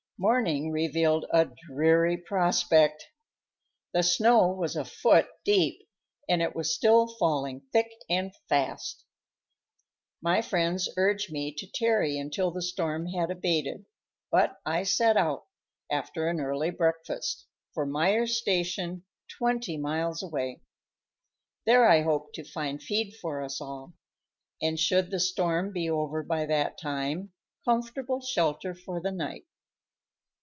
Morning revealed a dreary prospect. The snow was a foot deep, and it was still falling thick and fast. My friends urged me to tarry until the storm had abated, but I set out, after an early breakfast, for Myer's Station, twenty miles away. There I hoped to find feed for us all, and, should the storm be over by that time, comfortable shelter for the night.